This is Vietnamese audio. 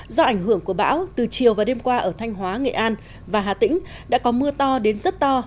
do ảnh hưởng của bão từ chiều và đêm qua ở thanh hóa nghệ an và hà tĩnh đã có mưa to đến rất to